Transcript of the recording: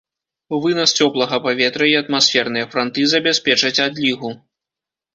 Вынас цёплага паветра і атмасферныя франты забяспечаць адлігу.